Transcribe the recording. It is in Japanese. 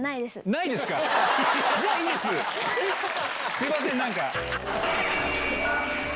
すいません何か。